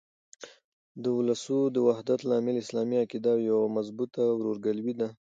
د اولسو د وحدت لامل اسلامي عقیده او یوه مضبوطه ورورګلوي ده.